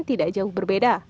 tidak jauh berbeda